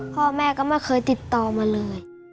พ่อแม่ก็ไม่เคยติดต่อมาเลย